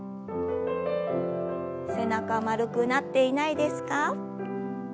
背中丸くなっていないですか？